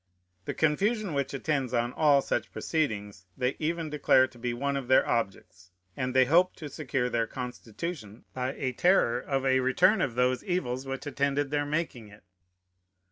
The confusion which attends on all such proceedings they even declare to be one of their objects, and they hope to secure their Constitution by a terror of a return of those evils which attended their making it.